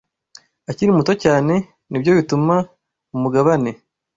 akiri muto cyane, ni byo bituma umugabane